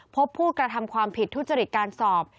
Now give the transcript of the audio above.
พบผู้กระทำความผิดทุจริตการสอบ